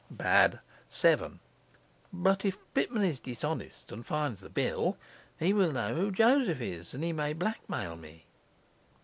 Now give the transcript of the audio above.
7. Yes, but if Pitman is dishonest and finds the bill, he will know who Joseph is, and he may blackmail me.